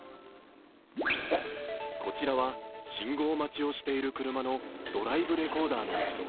こちらは信号待ちをしている車のドライブレコーダーの映像。